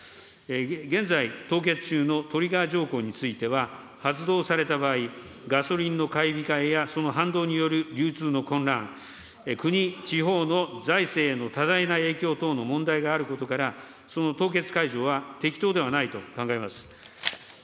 現在凍結中のトリガー条項については、発動された場合、ガソリンの買い控えやその反動による流通の混乱、国、地方の財政への多大な影響等の問題があることから、その凍結解除は適当ではないと考えます。